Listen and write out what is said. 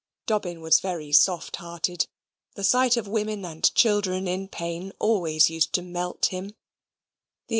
Dobbin was very soft hearted. The sight of women and children in pain always used to melt him.